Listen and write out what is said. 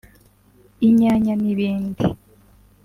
inyanya n’ibindi